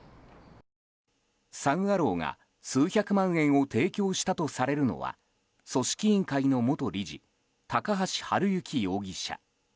サン・アローが数百万円を提供したとされるのは組織委員会の元理事高橋治之容疑者。